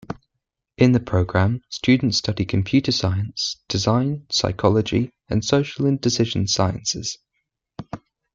In the program, students study computer science, design, psychology, and social and decision sciences.